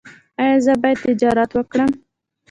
ایا زه باید تجارت وکړم؟